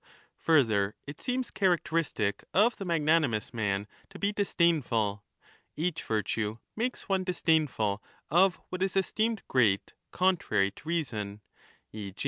f Eurther, it seems characteristic of the magnanimous man 1232'' to be disdainful ; each virtue makes one disdainful of what is esteemed great contrary to reason (e.